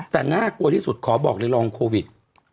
แต่น่ากลัวที่สุดขอบอกเลยลองโควิด